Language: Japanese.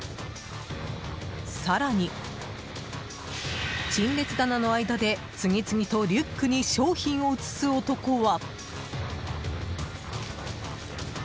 更に、陳列棚の間で次々とリュックに商品を移す男は。